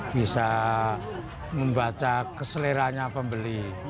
bisa membaca keseleranya pembeli